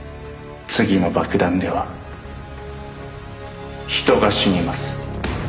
「次の爆弾では人が死にます」